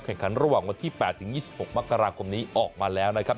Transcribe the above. แข่งขันระหว่างวันที่๘ถึง๒๖มกราคมนี้ออกมาแล้วนะครับ